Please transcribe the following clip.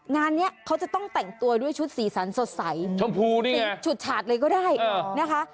งานนี้เขาจะต้องแต่งตัวด้วยชุดสีสันสดใสชมพูดีฉุดฉาดเลยก็ได้นะคะ